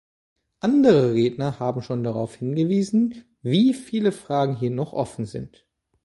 Andere Redner haben schon darauf hingewiesen, wie viele Fragen hier noch offen sind.